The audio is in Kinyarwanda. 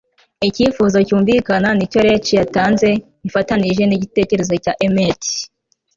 Icyifuzo cyumvikana nicyo Leech yatanzwe ifatanije nigitekerezo cya Emmet